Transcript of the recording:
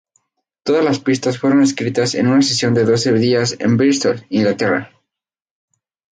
Todas las pistas fueron escritas en una sesión de doce días en Bristol, Inglaterra.